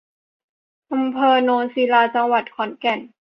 อำเภอโนนศิลา จังหวัดขอนแก่น